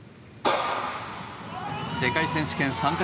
世界選手権参加